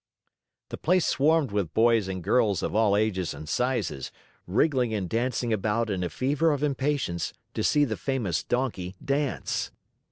The place swarmed with boys and girls of all ages and sizes, wriggling and dancing about in a fever of impatience to see the famous Donkey dance.